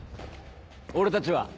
俺たちは？